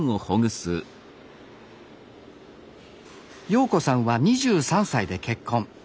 陽子さんは２３歳で結婚。